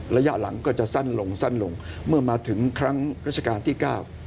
ระยะหลังก็จะสั้นลงสั้นลงเมื่อมาถึงครั้งรัชกาลที่เก้า